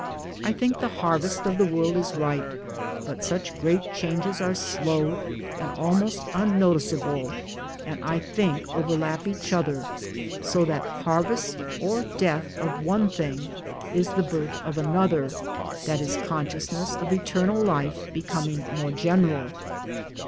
I think the Harvest of the world is ripe, but such great changes are slow and almost unnoticeable and I think overlap each other, so that harvest or death of one thing is the Birth of another, that is conscious ness of Eternal Life becoming more general.